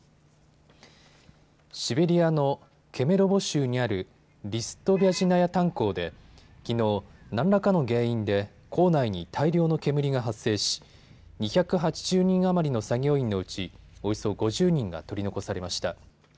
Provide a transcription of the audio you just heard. シベリアのケメロボ州にあるリストビャジナヤ炭鉱できのう、何らかの原因で坑内に大量の煙が発生し２８０人余りの作業員のうちおよそ５０人が取り残されました。